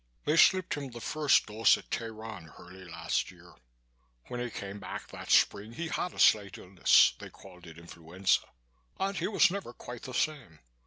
They slipped him the first dose at Teheran early last year. When he came back that spring he had a slight illness they called it influenza and he was never quite the same.